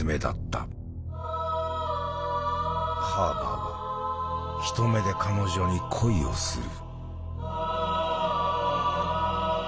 ハーバーは一目で彼女に恋をする。